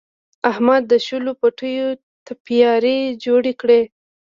احمد د شولو پټیو تپیاري جوړې کړې.